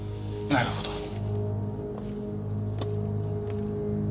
なるほど。